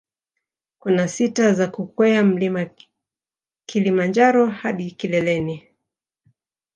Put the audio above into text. Kuna sita za kukwea mlima mlima kilimanjaro hadi kileleni